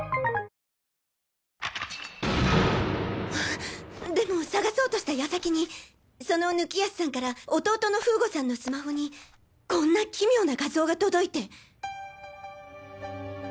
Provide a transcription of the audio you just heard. あでも捜そうとした矢先にその貫康さんから弟の風悟さんのスマホにこんな奇妙な画像が届いて。